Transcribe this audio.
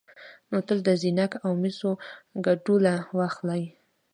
نو تل د زېنک او مسو ګډوله واخلئ،